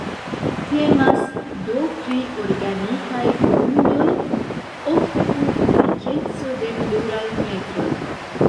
Temas, do pri organikaj grundoj ofte kun dikeco de pluraj metroj.